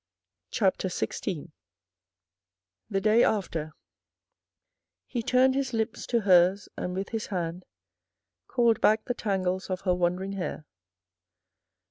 CHATER XVI THE DAY AFTER He turned his lips to hers and with his hand Called back the tangles of her wandering hair.